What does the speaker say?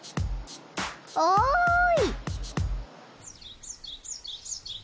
おい！